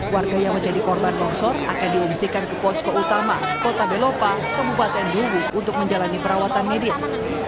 warga yang menjadi korban longsor akan diungsikan ke posko utama kota belopa kebupaten dugu untuk menjalani perawatan medis